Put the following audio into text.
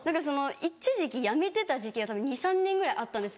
一時期やめてた時期がたぶん２３年ぐらいあったんです。